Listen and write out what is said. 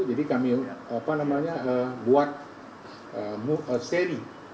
jadi kami buat seri